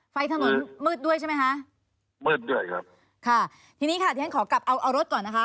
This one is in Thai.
ไฟถนนมืดด้วยใช่ไหมคะมืดด้วยครับค่ะทีนี้ค่ะที่ฉันขอกลับเอาเอารถก่อนนะคะ